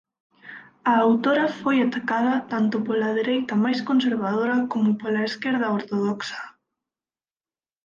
A autora foi atacada tanto pola dereita máis conservadora como pola esquerda ortodoxa.